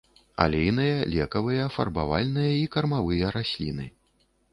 Алейныя, лекавыя, фарбавальныя і кармавыя расліны.